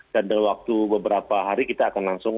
dan dalam waktu beberapa hari kita akan langsung